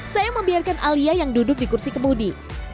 saya membiarkan alia yang duduk di kursi kemudi